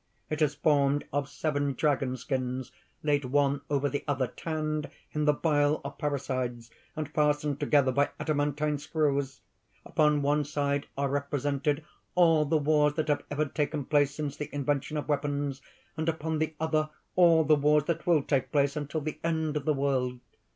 It is formed of seven dragon skins laid one over the other, tanned in the bile of parricides, and fastened together by adamantine screws. Upon one side are represented all the wars that have taken place since the invention of weapons; and upon the other, all the wars that will take place until the end of the world.